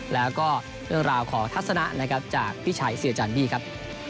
แล้วก็เรื่องราวของทัศนะนะครับจากพี่ชัยเสียจันดี้ครับ